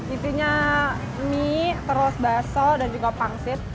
ipinya mie terus bakso dan juga pangsit